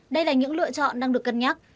đây là những lựa chọn đang được cân nhắc